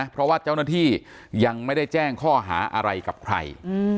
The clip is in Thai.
เพราะว่าเจ้าหน้าที่ยังไม่ได้แจ้งข้อหาอะไรกับใคร